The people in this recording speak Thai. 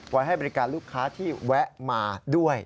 ไว้ให้บริการลูกค้าที่แวะมาด้วย